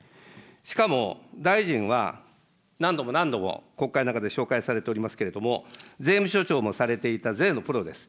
しかも、大臣は何度も何度も国会の中でしょうかいされておりますけれども、税務署長もされていた税のプロです。